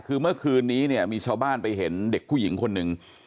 คือเมื่อคืนนี้เนี่ยมีชาวบ้านไปเห็นเด็กผู้หญิงคนหนึ่ง